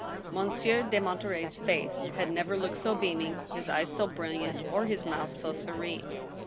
Monsieur de Monterey's face had never looked so beaming, his eyes so brilliant, or his mouth so serene.